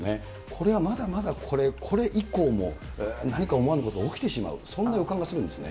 これはまだまだこれ以降も、何か思わぬことが起きてしまう、そんな予感がするんですね。